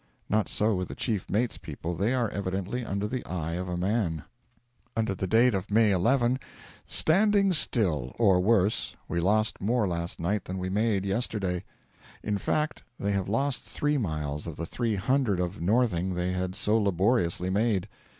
Not so with the chief mate's people they are evidently under the eye of a man. Under date of May 11: 'Standing still! or worse; we lost more last night than we made yesterday.' In fact, they have lost three miles of the three hundred of northing they had so laboriously made.